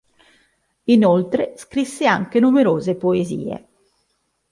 Inoltre, scrisse anche numerose poesie.